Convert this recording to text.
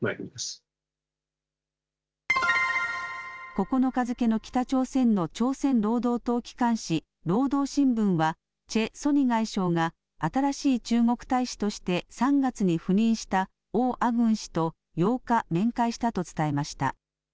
９日付けの北朝鮮の朝鮮労働党機関紙、労働新聞はチェ・ソニ外相が新しい中国大使として３月に赴任した王亜軍氏と８日、面会したと伝えました。